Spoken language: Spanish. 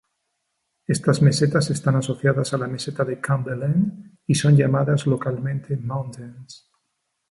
Estas mesetas están asociados a la meseta de Cumberland, y son llamados localmente "mountains".